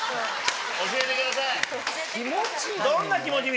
教えてください。